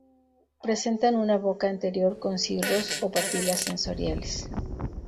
Presentan una boca anterior con cirros o papilas sensoriales.